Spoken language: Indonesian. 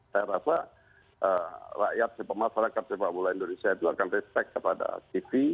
saya rasa rakyat masyarakat sempat mula indonesia itu akan respect kepada tv